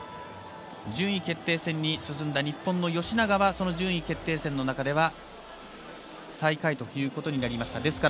順位決定戦に進んだ日本の吉永は順位決定戦の中では最下位ということになりました。